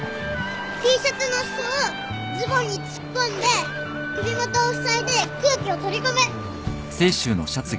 Ｔシャツの裾をズボンに突っ込んで首元をふさいで空気を取り込む。